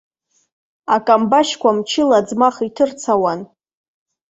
Акамбашьқәа мчыла аӡмах иҭырцауан.